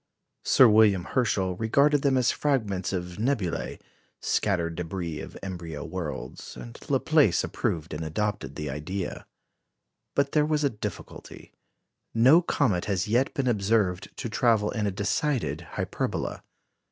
Sir William Herschel regarded them as fragments of nebulæ scattered débris of embryo worlds; and Laplace approved of and adopted the idea. But there was a difficulty. No comet has yet been observed to travel in a decided hyperbola.